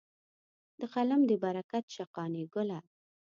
د قلم دې برکت شه قانع ګله.